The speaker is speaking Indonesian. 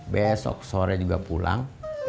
besok sore juga pulang